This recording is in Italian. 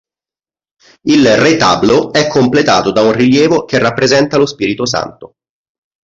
Il retablo è completato da un rilievo che rappresenta lo Spirito Santo.